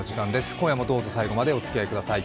今夜もどうぞ最後までおつきあいください。